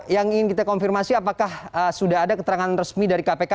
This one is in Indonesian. yang ingin kita konfirmasi apakah sudah ada keterangan resmi dari kpk